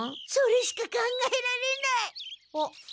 それしか考えられない！あっ。